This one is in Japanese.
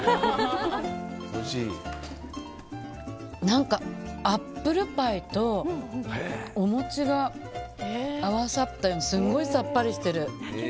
何かアップルパイとお餅が合わさったようなすごいさっぱりしてる。